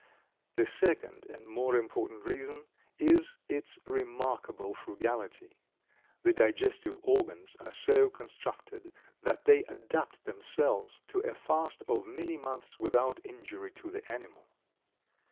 The second and more important reason is its remarkable frugality. The digestive organs are so constructed that they adapt themselves to a fast of many months without injury to the animal.